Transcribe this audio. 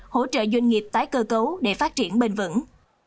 hỗ trợ doanh nghiệp tái cơ cấu để phát triển bền vững